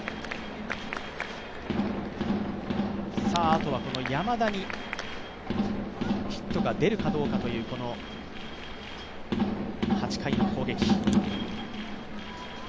あとは山田にヒットが出るかどうかという８回の攻撃。